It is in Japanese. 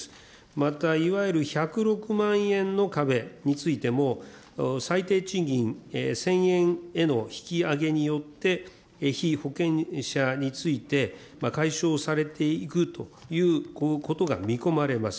また、いわゆる１０６万円の壁についても、最低賃金１０００円への引き上げによって、被保険者について、解消されていくということが見込まれます。